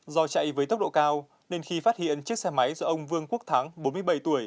do chạy với tốc độ cao nên khi phát hiện chiếc xe máy do ông vương quốc thắng bốn mươi bảy tuổi